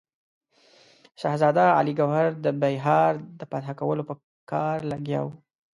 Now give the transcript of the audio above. شهزاده علي ګوهر د بیهار د فتح کولو په کار لګیا وو.